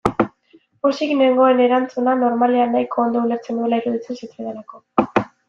Pozik nengoen erantzuna, normalean, nahiko ondo ulertzen nuela iruditzen zitzaidalako.